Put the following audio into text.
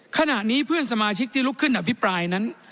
ขณะนี้เพื่อนสมาชิกที่ลุกขึ้นอภิปรายนั้น